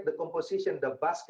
dan ini adalah